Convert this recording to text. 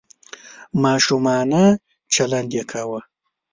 ماشومانه چلند یې کاوه .